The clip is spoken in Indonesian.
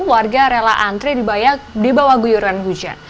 warga rela antri di bayak di bawah guyuran hujan